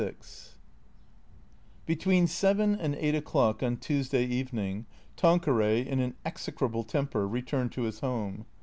LXVI BETWEEN seven and eight o'clock on Tuesday evening, Tanqueray, in an execrable temper, returned to his home.